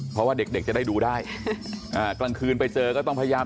เพราะว่าเด็กเด็กจะได้ดูได้อ่ากลางคืนไปเจอก็ต้องพยายาม